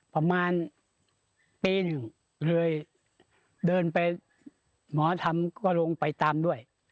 ประมาณปีหนึ่งเลยเดินไปหมอทำก็ลงไปตามด้วย